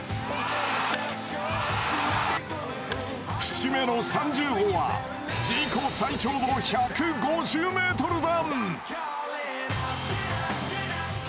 節目の３０号は自己最長の１５０ｍ弾。